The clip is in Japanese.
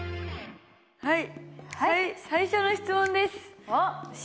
はいはい最初の質問ですおっ！